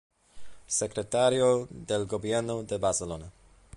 Secretario del Gobierno de Barcelona.